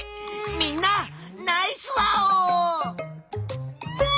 みんなナイスワオ！